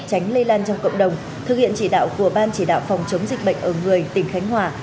tránh lây lan trong cộng đồng thực hiện chỉ đạo của ban chỉ đạo phòng chống dịch bệnh ở người tỉnh khánh hòa